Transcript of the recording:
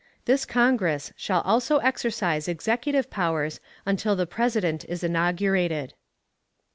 This Congress shall also exercise executive powers until the President is inaugurated.